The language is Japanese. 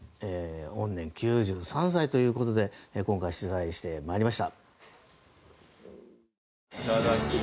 御年９３歳ということで今回、取材してまいりました。